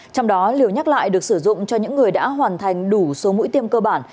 trong đó liều nhắc lại được sử dụng cho những người đã hoàn thành đủ số mũi tiêm cơ bản